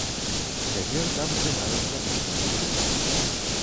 Цяпер там здымаюць забруджаны грунт.